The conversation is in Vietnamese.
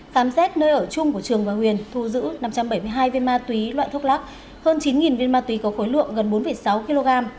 khám xét nơi ở chung của trường và huyền thu giữ năm trăm bảy mươi hai viên ma túy loại thuốc lắc hơn chín viên ma túy có khối lượng gần bốn sáu kg